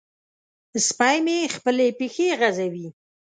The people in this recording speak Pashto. سپی مې خپلې پښې غځوي.